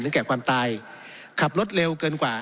แก่ความตายขับรถเร็วเกินกว่า